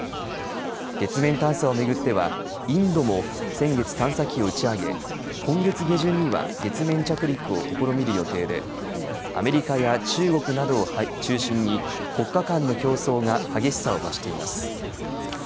月面探査を巡ってはインドも先月、探査機を打ち上げ今月下旬には月面着陸を試みる予定でアメリカや中国などを中心に国家間の競争が激しさを増しています。